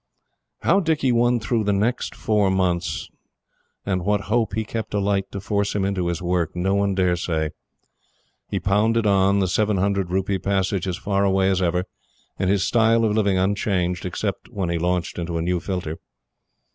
How Dicky won through the next four months, and what hope he kept alight to force him into his work, no one dare say. He pounded on, the seven hundred rupee passage as far away as ever, and his style of living unchanged, except when he launched into a new filter.